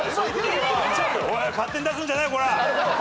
おい勝手に出すんじゃないコラ！